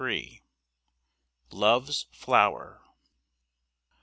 _ LOVE'S FLOWER.